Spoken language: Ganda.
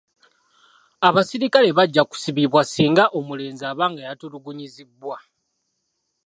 Abaserikale bajja kusibibwa singa omulenzi aba nga yatulugunyizibwa.